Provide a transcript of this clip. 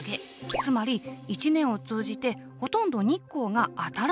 つまり一年を通じてほとんど日光が当たらないんです。